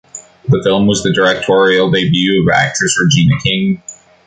The film was the directorial debut of actress Regina King.